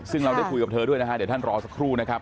ซึ่งเราได้คุยกับเธอด้วยนะฮะเดี๋ยวท่านรอสักครู่นะครับ